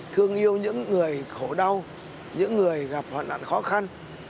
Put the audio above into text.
thương yêu những người khổ đau những người gặp hoạn nạn khó khăn